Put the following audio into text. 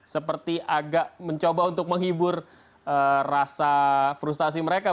seperti agak mencoba untuk menghibur rasa frustasi mereka